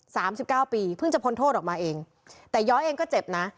สามสิบเก้าปีเพิ่งจะพ้นโทษออกมาเองแต่ย้อยเองก็เจ็บนะ